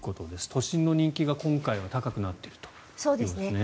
都心の人気が今回は高くなっているということですね。